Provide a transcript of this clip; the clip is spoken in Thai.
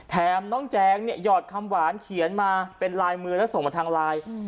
แถมน้องแจงเนี่ยหยอดคำหวานเขียนมาเป็นลายมือแล้วส่งมาทางไลน์